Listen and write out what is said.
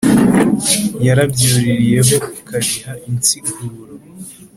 yarabyuririye ho ikabiha insiguro,